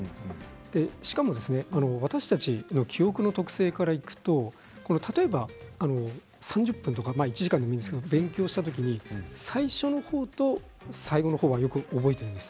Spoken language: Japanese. しかも私たちの記憶の特性からいくと例えば３０分とか１時間でもいいですけれど、勉強したときに最初のほうと最後のほうはよく覚えているんです。